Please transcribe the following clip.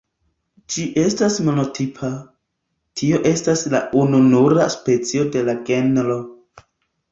Ĝi estas monotipa, tio estas la ununura specio de la genro.